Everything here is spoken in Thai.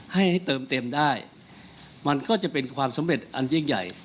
ให้ให้เติมเต็มได้มันก็จะเป็นความสำเร็จอันยิ่งใหญ่